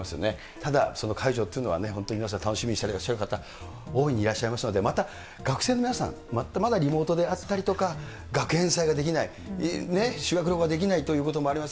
ただ、解除というのは本当に皆さん、楽しみにしていらっしゃる方、大いにいらっしゃいますので、また学生の皆さん、まだリモートであったりとか、学園祭ができない、修学旅行ができないということもあります。